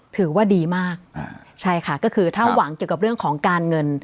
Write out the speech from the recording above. ถือว่าดีมากใช่ค่ะก็คือถ้าหวังเกี่ยวกับเรื่องของการเงิน